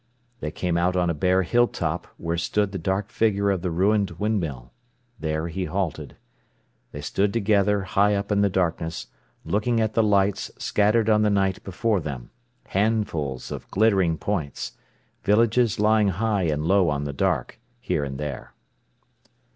They came out on a bare hilltop where stood the dark figure of the ruined windmill. There he halted. They stood together high up in the darkness, looking at the lights scattered on the night before them, handfuls of glittering points, villages lying high and low on the dark, here and there.